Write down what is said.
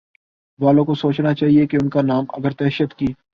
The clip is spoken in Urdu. والوں کو سوچنا چاہیے کہ ان کانام اگر دہشت کی